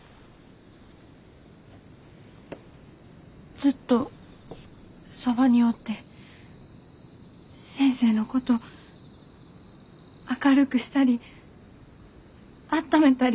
ずっとそばにおって先生のこと明るくしたりあっためたりしたいです。